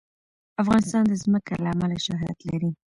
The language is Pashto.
افغانستان د ځمکه له امله شهرت لري.